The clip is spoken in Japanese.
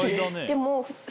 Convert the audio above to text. でも。